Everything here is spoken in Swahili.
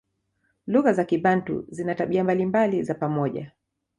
Lugha za Kibantu zina tabia mbalimbali za pamoja.